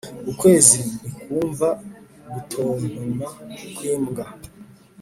ukwezi ntikwumva gutontoma kw'imbwa.